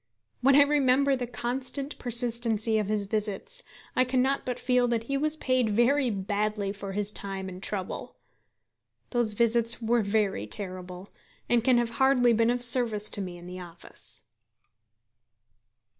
When I remember the constant persistency of his visits, I cannot but feel that he was paid very badly for his time and trouble. Those visits were very terrible, and can have hardly been of service to me in the office.